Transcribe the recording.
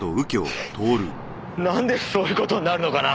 なんでそういう事になるのかな？